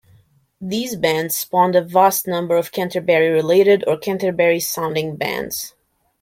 These bands spawned a vast number of Canterbury-related or Canterbury-sounding bands.